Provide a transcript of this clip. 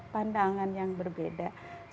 pandangan yang berbeda